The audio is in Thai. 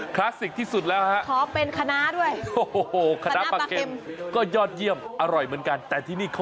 ข้าวต้มกับปลาเค็มนะฮะ